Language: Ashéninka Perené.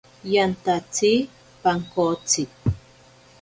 Yantatsi pankotsi.